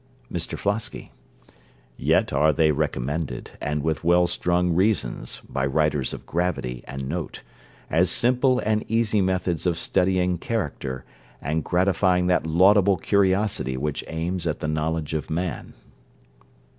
MR FLOSKY Yet are they recommended, and with well strung reasons, by writers of gravity and note, as simple and easy methods of studying character, and gratifying that laudable curiosity which aims at the knowledge of man.